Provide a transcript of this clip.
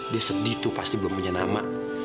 dia sedih tuh pasti belum punya nama